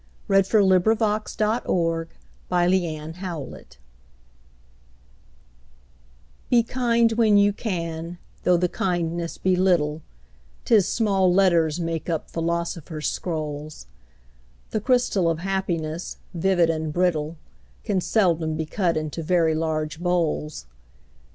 146033Be Kind When You CanEliza Cook Be kind when you can, though the kindness be little, 'Tis small letters make up philosophers' scrolls; The crystal of Happiness, vivid and brittle, Can seldom be cut into very large bowls.